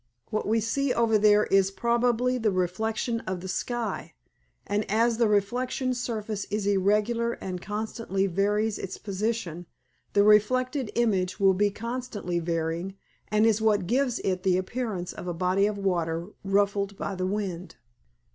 What we see over there is probably the reflection of the sky, and as the reflection surface is irregular and constantly varies its position the reflected image will be constantly varying, and is what gives it the appearance of a body of water ruffled by the wind."